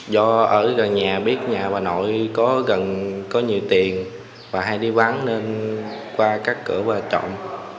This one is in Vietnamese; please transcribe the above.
do ở gần nhà biết nhà bà nội có gần có nhiều tiền và hay đi bán nên qua các cửa và trộm